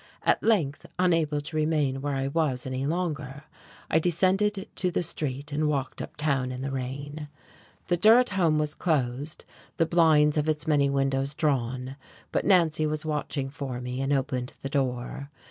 At length, unable to remain where I was any longer, I descended to the street and walked uptown in the rain. The Durrett house was closed, the blinds of its many windows drawn, but Nancy was watching for me and opened the door.